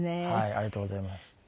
ありがとうございます。